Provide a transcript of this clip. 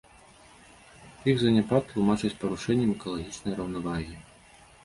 Іх заняпад тлумачаць парушэннем экалагічнай раўнавагі.